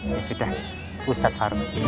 ya sudah ustadz harfi